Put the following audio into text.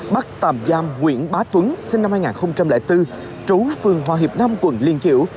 bắt tạm giam nguyễn bá tuấn sinh năm hai nghìn bốn trú phường hòa hiệp nam quận liên triểu